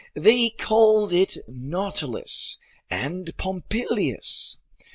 They called it "nautilus" and "pompilius."